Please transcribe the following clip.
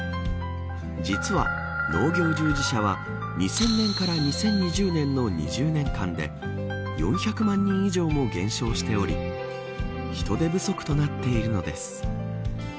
実は農業従事者は２０００年から２０２０年の２０年間で４００万人以上も減少しており人手不足となっているのです。